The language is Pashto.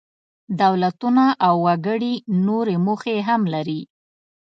دولتونه او وګړي نورې موخې هم لري.